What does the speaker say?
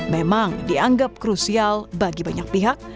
memang dianggap krusial bagi banyak pihak